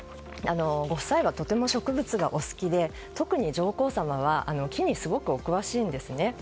ご夫妻はとても植物がお好きで特に上皇さまは木にすごくお詳しいんですね。